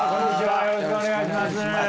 よろしくお願いします。